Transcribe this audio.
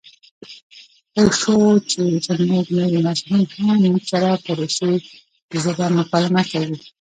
پوه شوو چې زموږ نوي مسؤلین هم موږ سره په روسي ژبه مکالمه کوي.